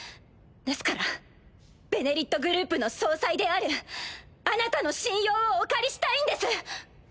ですから「ベネリット」グループの総裁であるあなたの信用をお借りしたいんです。